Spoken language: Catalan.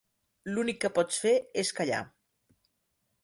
L'únic que pots fer és callar.